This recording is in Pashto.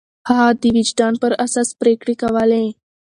هغه د وجدان پر اساس پرېکړې کولې.